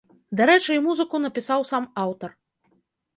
Дарэчы, і музыку напісаў сам аўтар.